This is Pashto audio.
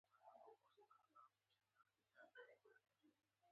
څاڅکي يې پر غاړه را پريوتل.